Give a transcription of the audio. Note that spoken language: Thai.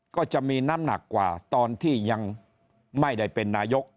ก็จะมีน้ำหนักกว่าตอนที่ยังไม่ได้เป็นนายก